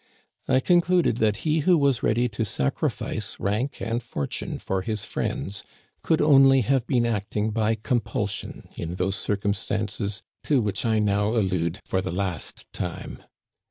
I concluded that he who was ready to sacrifice rank and fortune for his friends could only have been acting by compulsion in those circumstances to which I now allude for the last time.